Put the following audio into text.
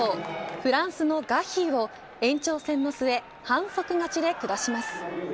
フランスのガヒーを延長戦の末反則勝ちで下します。